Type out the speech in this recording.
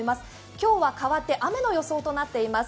今日は変わって雨の予想となっています。